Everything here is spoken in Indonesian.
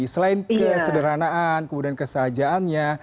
selain kesederhanaan kemudian kesahajaannya